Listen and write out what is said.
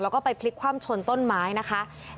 แล้วก็ไปพลิกคว่ำชนต้นไม้นะคะ